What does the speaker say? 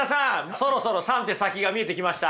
そろそろ三手先が見えてきました？